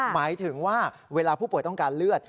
หมายถึงว่าเวลาผู้ป่วยต้องการเลือด